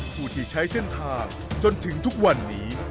ผู้ที่ใช้เส้นทางจนถึงทุกวันนี้